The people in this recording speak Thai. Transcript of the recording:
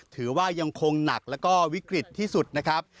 ถือว่ายังคงหนักแล้วก็วิกฤตที่สุดนะครับ